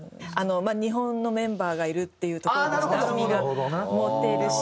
日本のメンバーがいるっていうところで親しみが持てるし。